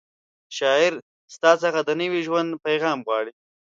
شاعره ستا څخه د نوي ژوند پیغام غواړي